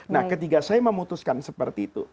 nah ketika saya memutuskan seperti itu